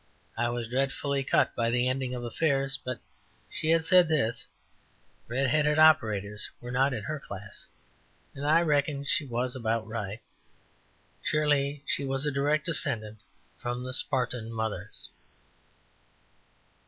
I was dreadfully cut by the ending of affairs, but she had said, "Red headed operators were not in her class," and I reckon she was about right. Surely, she was a direct descendant from the Spartan mothers.